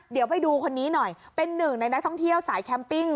เดี๋ยวไปดูคนนี้หน่อยเป็นหนึ่งในนักท่องเที่ยวสายแคมปิ้ง